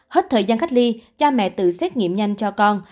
hết thời gian cách ly cha mẹ tự xét nghiệm nhanh cho con